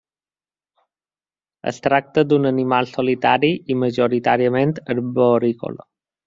Es tracta d'un animal solitari i majoritàriament arborícola.